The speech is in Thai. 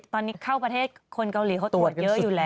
ตอนนี้เข้าประเทศคนเกาหลีเขาตรวจเยอะอยู่แล้ว